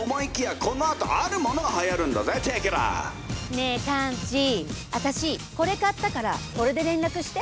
ねえカンチあたしこれ買ったからこれで連絡して。